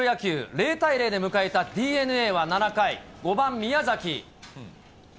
０対０で迎えたＤｅＮＡは７回、５番宮崎。